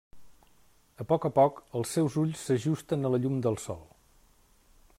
A poc a poc, els seus ulls s'ajusten a la llum del sol.